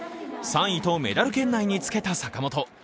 ３位とメダル圏内につけた坂本。